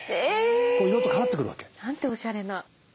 いろいろと変わってくるわけ。なんておしゃれな。